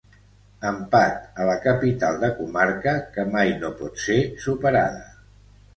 Empat a la capital de comarca que mai no pot ser superada.